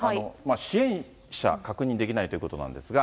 支援者、確認できないということなんですが。